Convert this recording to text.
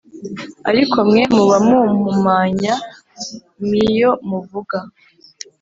Ariko mwe muba mumpumanya m iyo muvuga